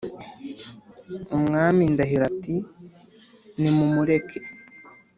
” umwami ndahiro ati: “nimumureke